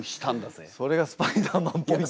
それがスパイダーマンっぽく？